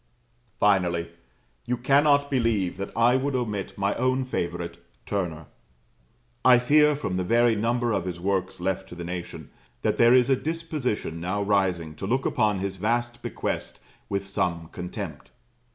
Finally, you cannot believe that I would omit my own favourite, Turner. I fear from the very number of his works left to the nation, that there is a disposition now rising to look upon his vast bequest with some contempt.